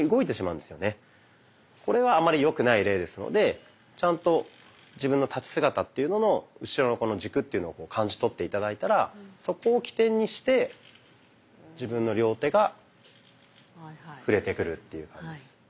これはあんまりよくない例ですのでちゃんと自分の立ち姿っていうのの後ろの軸というのを感じ取って頂いたらそこを起点にして自分の両手が振れてくるという感じです。